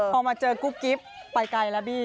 พอมาเจอกุ๊กกิ๊บไปไกลแล้วบี้